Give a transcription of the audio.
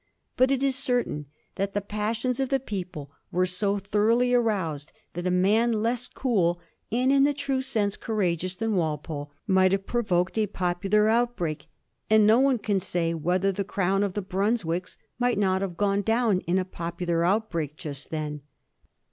But it is certain that the passions of the people were so thoroughly aroused, that a man less cool and in the true sense courageous than Walpole might have provoked a popular outbreak, and no one can say whether the crown of the Brunswicks might not have gone down in a popular outbreak just then.